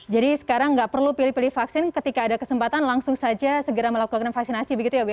jadi sekarang tidak perlu pilih pilih vaksin ketika ada kesempatan langsung saja melakukan vaksinasi begitu ya bu